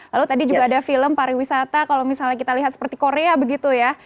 lalu tadi juga ada film pariwisata kalau misalnya kita lihat seperti korea begitu ya